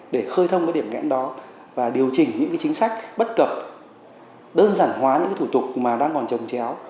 để khơi thông cái điểm ngẽn đó và điều chỉnh những chính sách bất cập đơn giản hóa những cái thủ tục mà đang còn trồng chéo